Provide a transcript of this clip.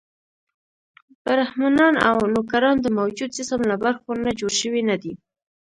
برهمنان او نوکران د موجود جسم له برخو نه جوړ شوي نه دي.